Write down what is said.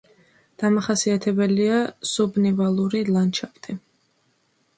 დამახასიათებელია სუბნივალური ლანდშაფტი.